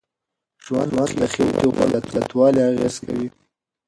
ژوند د خېټې غوړ په زیاتوالي اغیز کوي.